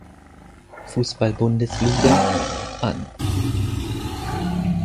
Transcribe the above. Fußball-Bundesliga, an.